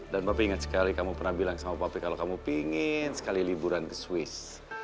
dan papi inget sekali kamu pernah bilang sama papi kalau kamu pingin sekali liburan ke swiss